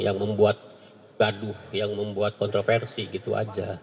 yang membuat gaduh yang membuat kontroversi gitu aja